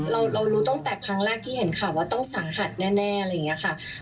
เรารู้ตั้งแต่ครั้งแรกที่เห็นข่าวว่าต้องสาหัสแน่อะไรอย่างนี้ค่ะ